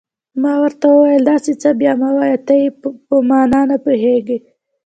ما ورته وویل: داسې څه بیا مه وایه، ته یې په معنا نه پوهېږې.